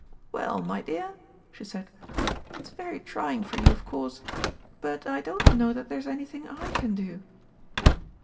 "Well, my dear," she said, "it's very trying for you, of course. But I don't know that there's anything I can do."